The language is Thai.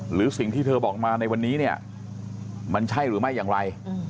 หรือสิ่งที่เธอบอกมาในวันนี้เนี่ยมันใช่หรือไม่อย่างไร